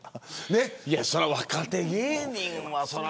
それは若手芸人は。